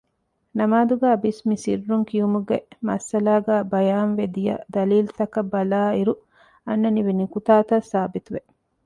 ނަމާދުގައި ބިސްމި ސިއްރުން ކިއުމުގެ މައްސަލާގައި ބަޔާންވެދިޔަ ދަލީލުތަކަށް ބަލާއިރު އަންނަނިވި ނުކުތާތައް ސާބިތުވެ